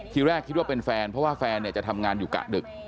ทีแรกคิดว่าเป็นแฟนเพราะว่าแฟนจะทำงานอยู่กะดึก